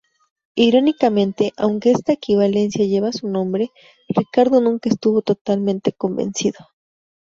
Irónicamente, aunque esta equivalencia lleva su nombre, Ricardo nunca estuvo totalmente convencido.